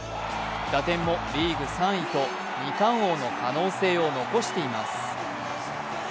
打点もリーグ３位と二冠王の可能性を残しています。